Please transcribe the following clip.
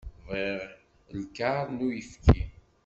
Bɣiɣ lkaṛ n uyefki.